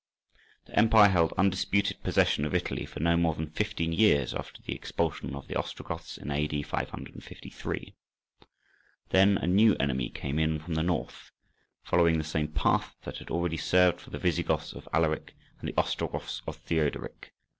The empire held undisputed possession of Italy for no more than fifteen years after the expulsion of the Ostrogoths in A.D. 553. Then a new enemy came in from the north, following the same path that had already served for the Visigoths of Alaric and the Ostrogoths of Theodoric.